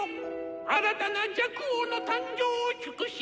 新たな若王の誕生を祝し